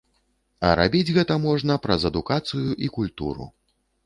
А рабіць гэта можна праз адукацыю і культуру.